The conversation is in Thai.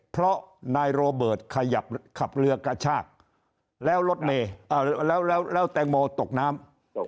เพราะนายโรเบิร์ตขับเรือกระชากแล้วแตงโมตกน้ำ